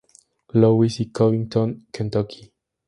Louis y Covington, Kentucky.